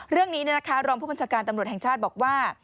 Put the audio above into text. เรื่องนี้รองผู้บัญชาการตำรวจแห่งชาติบอกว่า